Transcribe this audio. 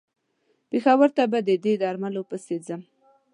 پېښور ته به د دې درملو پسې ځم.